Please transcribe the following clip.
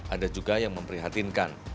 ada juga yang memprihatinkan